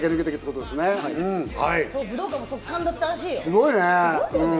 武道館も即完だったらしい。